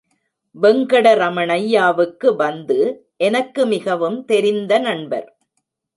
வெங்கடரமணய்யாவுக்கு பந்து எனக்கு மிகவும் தெரிந்த நண்பர்.